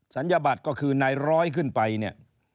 ัญญบัตรก็คือนายร้อยขึ้นไปเนี่ย